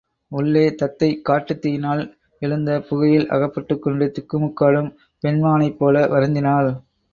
உள்ளே தத்தை காட்டுத் தீயினால் எழுந்த புகையில் அகப்பட்டுக்கொண்டு திக்குமுக்காடும் பெண் மானைப் போல வருந்தினாள்.